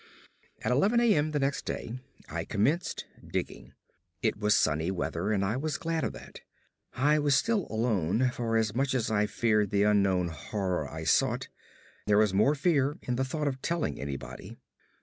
At eleven a. m. the next day I commenced digging. It was sunny weather, and I was glad of that. I was still alone, for as much as I feared the unknown horror I sought, there was more fear in the thought of telling anybody.